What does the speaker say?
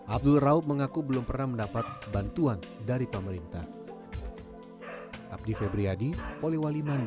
abdul raub mengaku belum pernah mendapat bantuan dari pemerintah